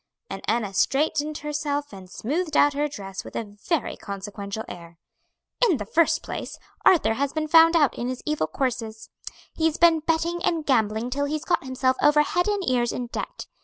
And Enna straightened herself and smoothed out her dress with a very consequential air. "In the first place Arthur has been found out in his evil courses; he's been betting and gambling till he's got himself over head and ears in debt.